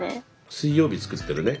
「水曜日」作ってるね。